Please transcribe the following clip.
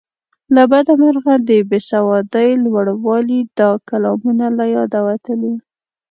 له بده مرغه د بې سوادۍ لوړوالي دا کلامونه له یاده وتلي.